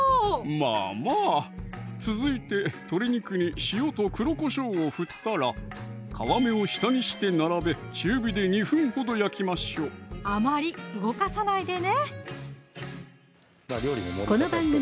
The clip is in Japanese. まぁまぁ続いて鶏肉に塩と黒こしょうを振ったら皮目を下にして並べ中火で２分ほど焼きましょうあまり動かさないでね